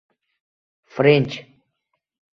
French